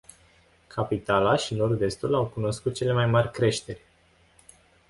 Capitala și nord-estul au cunoscut cele mai mari creșteri.